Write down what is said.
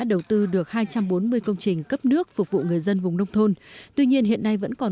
đầu tư được hai trăm bốn mươi công trình cấp nước phục vụ người dân vùng nông thôn tuy nhiên hiện nay vẫn còn